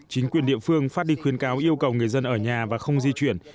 chính quyền địa phương phát đi khuyến cáo yêu cầu người dân ở nhà và không di chuyển